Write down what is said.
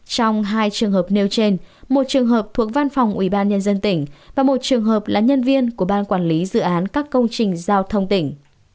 trong hai trường hợp nêu trên một trường hợp thuộc văn phòng ubnd tỉnh và một trường hợp là nhân viên của ban quản lý dự án các công trình giao thông tỉnh